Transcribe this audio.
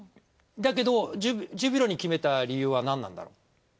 だけどジュビロに決めた理由は何なんだろう。